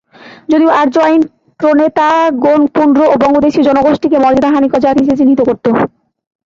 যদিও আর্য আইন প্রণেতাগণ পুন্ড্র ও বঙ্গদেশীয় জনগোষ্ঠীকে মর্যাদাহানিকর জাতি হিসেবে চিহ্নিত করতো।